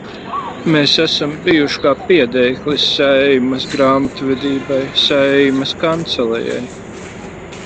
Mēs esam bijuši kā piedēklis Saeimas grāmatvedībai, Saeimas Kancelejai.